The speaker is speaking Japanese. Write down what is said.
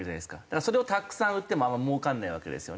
だからそれをたくさん売ってもあんま儲からないわけですよね。